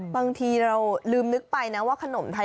บางทีเราลืมนึกไปนะว่าขนมไทย